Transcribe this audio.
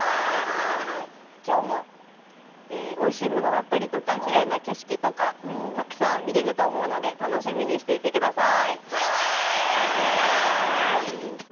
今日もおいしいものだったりとかきれいな景色とかたくさん見れると思うので楽しみにしていてください。